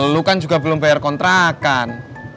lu kan juga belum bayar kontrakan